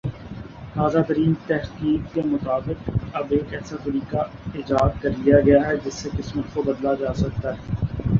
تازہ ترین تحقیق کے مطابق اب ایک ایسا طریقہ ایجاد کر لیا گیا ہے جس سے قسمت کو بدلہ جاسکتا ہے